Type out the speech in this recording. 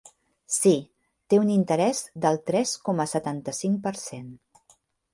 Sí, té un interès del tres coma setanta-cinc per cent.